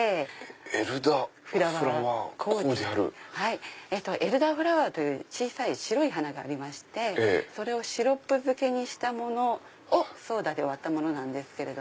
エルダーフラワーコーディアル？エルダーフラワーという小さい白い花がありましてそれをシロップ漬けにしたものをソーダで割ったものなんです。